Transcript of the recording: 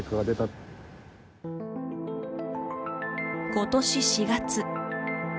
今年４月。